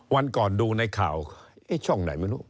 วันก่อนดูในข่าวช่องไหนไม่รู้